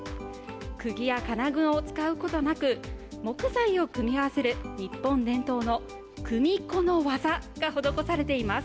くぎや金具を使うことなく、木材を組み合わせる、日本伝統の組子の技が施されています。